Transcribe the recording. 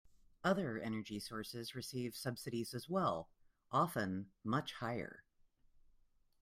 Other energy sources receive subsidies as well, often much higher.